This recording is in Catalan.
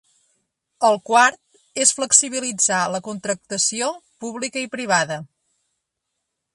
El quart és flexibilitzar la contractació pública i privada.